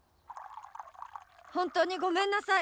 本当にごめんなさい！